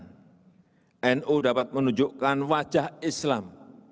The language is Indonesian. karena nu dapat menunjukkan wajah islam